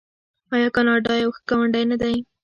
آیا کاناډا یو ښه ګاونډی نه دی؟